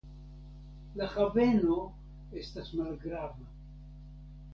La haveno estas malgrava.